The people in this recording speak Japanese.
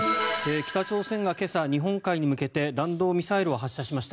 北朝鮮が今朝、日本海に向けて弾道ミサイルを発射しました。